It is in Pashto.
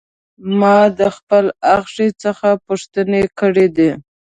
ما د خپل اخښي څخه پوښتنې کړې دي.